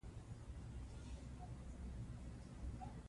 شاه محمود په ښار کې دننه د خطر لپاره اندېښمن و.